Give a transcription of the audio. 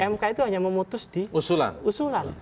mk itu hanya memutus di usulan